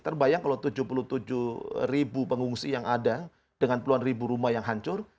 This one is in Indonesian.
terbayang kalau tujuh puluh tujuh ribu pengungsi yang ada dengan puluhan ribu rumah yang hancur